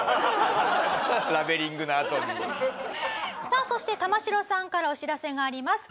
さあそして玉城さんからお知らせがあります。